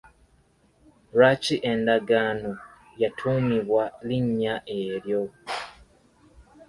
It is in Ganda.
Lwaki endagaano yatuumibwa linnya eryo?